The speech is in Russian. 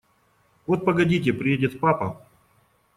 Вот погодите, приедет папа…